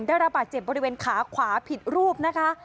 ระบาดเจ็บบริเวณขาขวาผิดรูปนะคะ